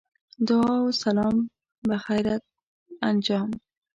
دعا و سلام بخیریت انجام.